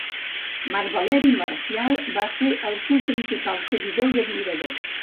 Marc Valeri Marcial va ser el seu principal seguidor i admirador.